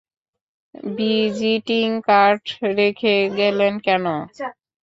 Visiting card রেখে গেলেন কেন?